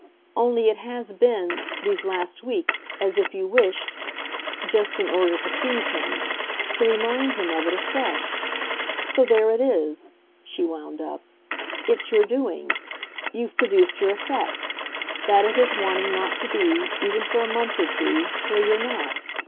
Only it has been, these last weeks, as if you wished just in order to please him to remind him of it afresh. So there it is," she wound up; "it's your doing. You've produced your effect that of his wanting not to be, even for a month or two, where you're not.